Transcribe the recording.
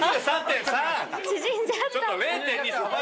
縮んじゃった。